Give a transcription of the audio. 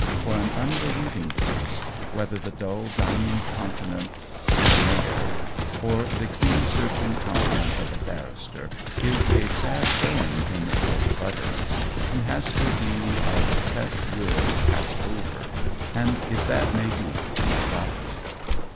For an unbelieving face, whether the dull dining countenance of a mayor, or the keen searching countenance of a barrister, is a sad bone in the throat of utterance, and has to be of set will passed over, and, if that may be, forgotten.